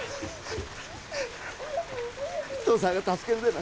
父さんが助けるでな